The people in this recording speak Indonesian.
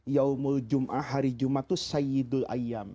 yaumul jum'ah hari jum'at itu sayyidul ayyam